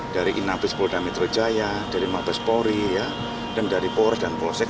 dari inabis polda metro jaya dari mabes pori dan dari poros dan polsek